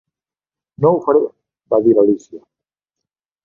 "No ho faré!", va dir l'Alícia.